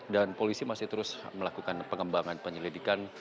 dan polisi masih terus melakukan pengembangan penyelidikan